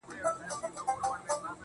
که ځان د پورته پړاونو